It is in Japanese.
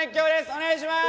お願いします